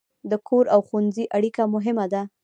د کور او ښوونځي اړیکه مهمه ده.